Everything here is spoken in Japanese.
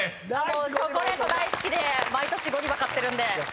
もうチョコレート大好きで毎年ゴディバ買ってるんで。